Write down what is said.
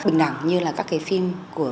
bình đẳng như là các cái phim của